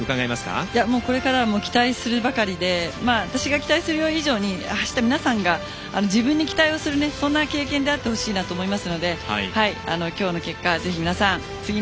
これから期待するばかりで私が期待する以上に走った皆さんが自分に期待するそういう経験であってほしいと思うので今日の結果、ぜひ皆さん